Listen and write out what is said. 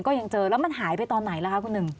ก็ยังเจอแล้วมันหายไปตอนไหนล่ะคะคุณหนึ่ง